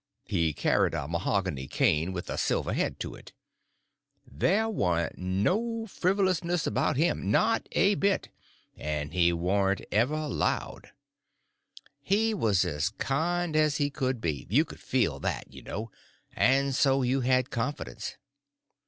He carried a mahogany cane with a silver head to it. There warn't no frivolishness about him, not a bit, and he warn't ever loud. He was as kind as he could be—you could feel that, you know, and so you had confidence.